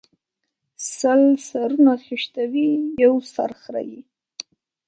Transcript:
سل سرونه خشتوي ، يو سر خريي